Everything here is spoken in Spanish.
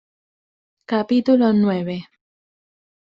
capítulo nueve.